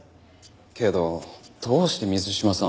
けどどうして水島さんを？